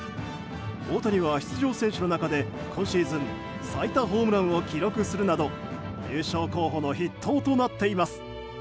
大谷は出場選手の中で今シーズン最多ホームランを記録するなど優勝候補の筆頭となっています。